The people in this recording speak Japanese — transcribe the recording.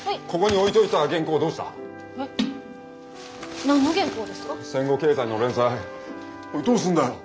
おいどうすんだよ？